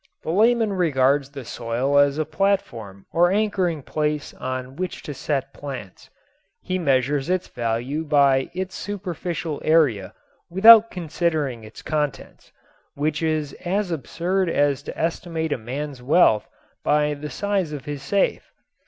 The layman regards the soil as a platform or anchoring place on which to set plants. He measures its value by its superficial area without considering its contents, which is as absurd as to estimate a man's wealth by the size of his safe.